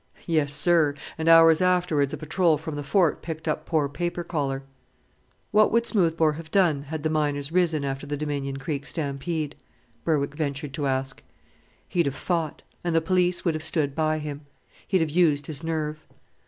"Yes, sir; and hours afterwards a patrol from the fort picked up poor Paper collar." "What would Smoothbore have done had the miners risen after the Dominion Creek stampede?" Berwick ventured to ask. "He'd have fought, and the police would have stood by him. He'd have used his nerve."